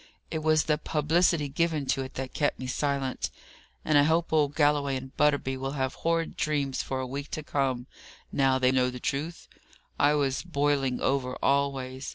It was the publicity given to it that kept me silent; and I hope old Galloway and Butterby will have horrid dreams for a week to come, now they know the truth! I was boiling over always.